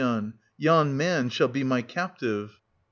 Yon man shall be my captive.